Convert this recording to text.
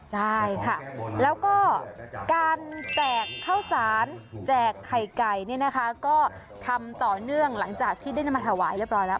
ใช่ค่ะแล้วก็การแจกข้าวสารแจกไข่ไก่เนี่ยนะคะก็ทำต่อเนื่องหลังจากที่ได้นำมาถวายเรียบร้อยแล้ว